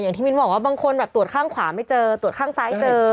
ที่มิ้นบอกว่าบางคนแบบตรวจข้างขวาไม่เจอตรวจข้างซ้ายเจอ